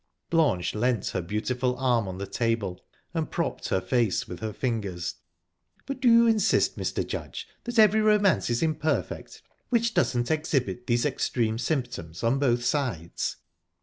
Blanche leant her beautiful arm on the table and propped her face with her fingers. "But do you insist, Mr. Judge, that every romance is imperfect which doesn't exhibit these extreme symptoms on both sides?"